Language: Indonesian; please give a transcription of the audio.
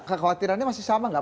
kekhawatirannya masih sama nggak